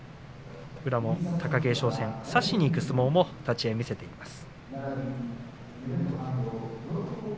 宇良も貴景勝戦差しにいく相撲を見せています。